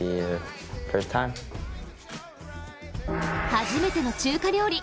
初めての中華料理。